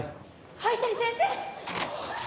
灰谷先生！